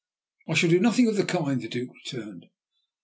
"I shall do nothing of the kind," the Duke returned.